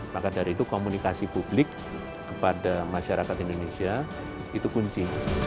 maka dari itu komunikasi publik kepada masyarakat indonesia itu kunci